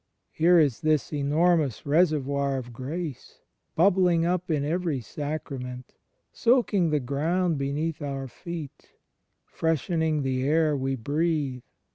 Here is this enormous reservoir of grace, bubbling up in every sacrament, soaking the ground beneath our feet, freshening the air we breathe.